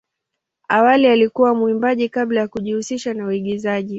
Awali alikuwa mwimbaji kabla ya kujihusisha na uigizaji.